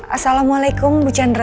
assalamualaikum bu chandra